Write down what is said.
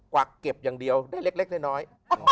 วักเก็บอย่างเดียวได้เล็กน้อย